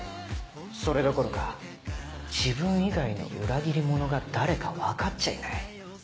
それどころか自分以外の裏切り者が誰か分かっちゃいない。